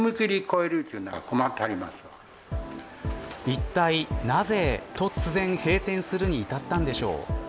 いったい、なぜ突然閉店するに至ったんでしょう。